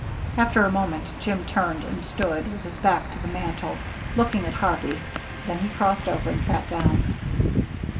After a moment Jim turned and stood with his back to the mantel, looking at Harvey, then he crossed over and sat down.